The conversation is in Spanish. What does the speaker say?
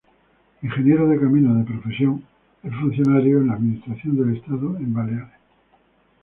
Ingeniero de caminos de profesión, es funcionario de la administración del Estado en Baleares.